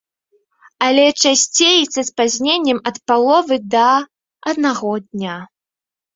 Але часцей са спазненнем ад паловы да аднаго дня.